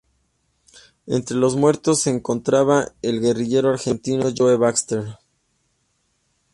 Entre los muertos se encontraba el guerrillero argentino Joe Baxter.